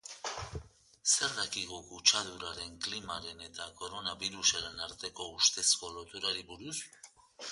Zer dakigu kutsaduraren, klimaren eta koronabirusaren arteko ustezko loturari buruz?